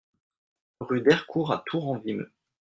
Rue d'Ercourt à Tours-en-Vimeu